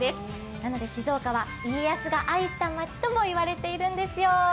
なので静岡は家康が愛した街ともいわれているんですよ。